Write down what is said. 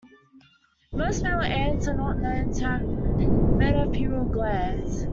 Most male ants are not known to have metapleural glands.